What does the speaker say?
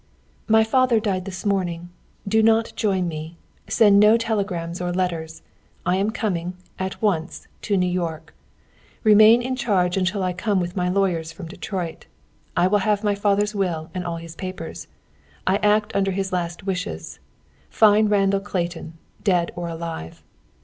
"My father died this morning. Do not join me. Send no telegrams or letters. I am coming, at once, to New York. Remain in charge until I come with my lawyers from Detroit. I will have my father's will and all his papers. I act under his last wishes. Find Randall Clayton, dead or alive.